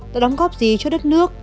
đã đóng góp gì cho đất nước